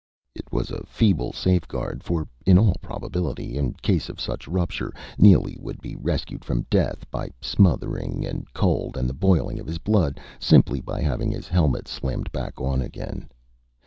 It was a feeble safeguard, for, in all probability, in case of such rupture, Neely would be rescued from death by smothering and cold and the boiling of his blood, simply by having his helmet slammed back on again.